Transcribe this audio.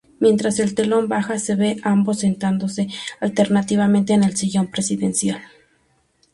Mientras el telón baja se ve a ambos sentándose alternativamente en el sillón presidencial.